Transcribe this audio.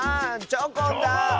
チョコン。